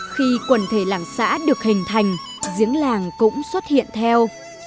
khi quần thể làng xã được hình thành giếng làng cũng xuất hiện theo